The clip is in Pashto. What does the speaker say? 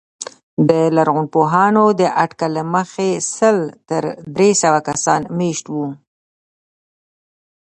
د لرغونپوهانو د اټکل له مخې سل تر درې سوه کسان مېشت وو